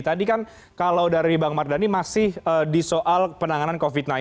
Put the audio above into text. tadi kan kalau dari bang mardhani masih di soal penanganan covid sembilan belas